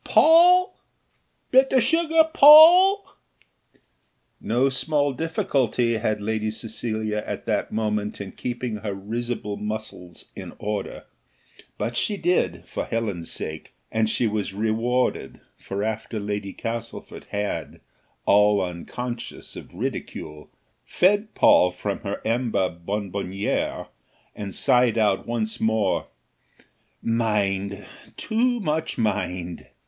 Poll! bit o'sugar Poll!" No small difficulty had Lady Cecilia at that moment in keeping her risible muscles in order; but she did, for Helen's sake, and she was rewarded, for after Lady Castlefort had, all unconscious of ridicule, fed Poll from her amber bonbonniere, and sighed out once more "Mind! too much mind!"